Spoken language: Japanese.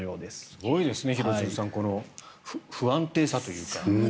すごいですね、廣津留さん不安定さというか。